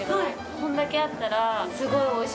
こんだけあったら。